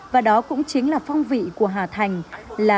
và đó cũng chính là phong vị của hà thái